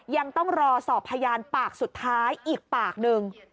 ยังต้องรอสอบพยานปากสุดท้ายอีกปากหนึ่ง